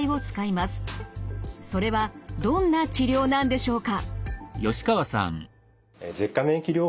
それはどんな治療なんでしょうか？